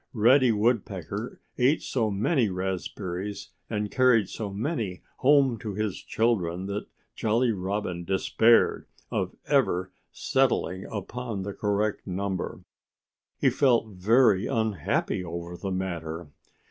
Reddy Woodpecker ate so many raspberries and carried so many home to his children that Jolly Robin despaired of ever settling upon the correct number. He felt very unhappy over the matter.